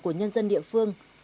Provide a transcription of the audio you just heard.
của nhân dân địa phương